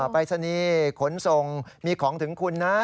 ปรายศนีย์ขนส่งมีของถึงคุณนะ